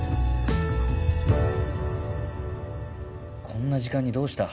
こんな時間にどうした？